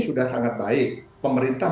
sudah sangat baik pemerintah